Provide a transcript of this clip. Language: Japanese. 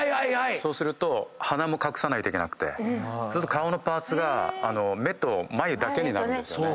そうすると鼻も隠さないといけなくてそうすると顔のパーツが目と眉だけになるんですよね。